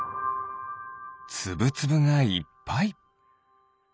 つぶつぶがいっぱい。